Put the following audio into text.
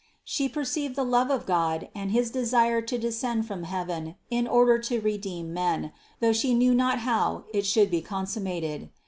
She perceived the love of God and his desire to descend from heaven in order to redeem men, though She knew not how it should be consummated.